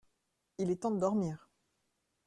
Il est temps de dormir.